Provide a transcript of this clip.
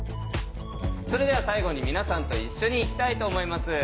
それでは最後に皆さんと一緒にいきたいと思います。